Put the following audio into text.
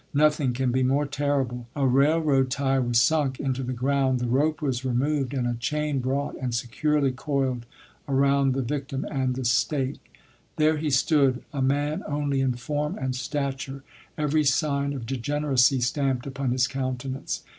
Nothing can be more terrible. A railroad tie was sunk into the ground, the rope was removed, and a chain brought and securely coiled around the victim and the stake. There he stood, a man only in form and stature, every sign of degeneracy stamped upon his countenance.